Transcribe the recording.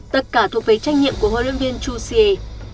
tất cả thuộc về trách nhiệm của huấn luyện viên chu xie